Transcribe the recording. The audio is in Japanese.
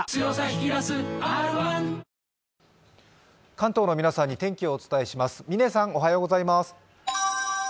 関東の皆さんに天気をお伝えします。